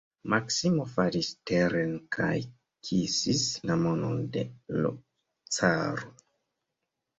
Maksimo falis teren kaj kisis la manon de l' caro.